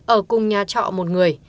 ở cùng nhà trọ một người